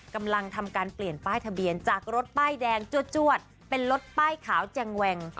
กำลังทำการเปลี่ยนป้ายทะเบียนจากรถป้ายแดงจวดเป็นรถป้ายขาวแจงแวง